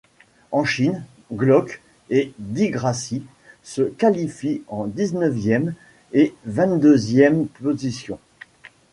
En Chine, Glock et di Grassi se qualifient en dix-neuvième et vingt-deuxième position.